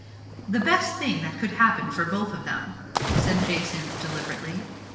" The best thing that could happen for both of them,*' said Jacynth deliberately.